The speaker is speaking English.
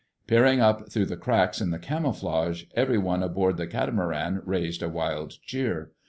Peering up through the cracks in the camouflage, everyone aboard the catamaran raised a wild cheer.